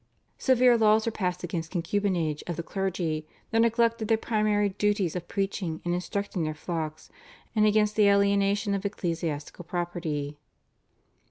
Severe laws were passed against concubinage of the clergy, their neglect of their primary duties of preaching and instructing their flocks, and against the alienation of ecclesiastical property.